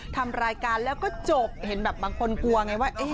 ทำรายการแล้วก็จบเห็นแบบบางคนกลัวไงว่า